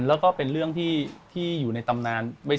แล้วก็เป็นเรื่องที่อยู่ในตำนาน